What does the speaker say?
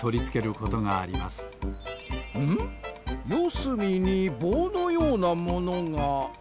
すみにぼうのようなものが。